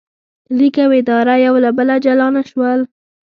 لیک او اداره یو له بله جلا نه شول.